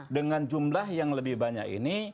dengan jumlah yang lebih banyak ini